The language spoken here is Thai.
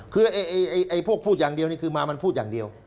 คือพวกพูดอย่างเดียวนี่คือมามันพูดอย่างเดียว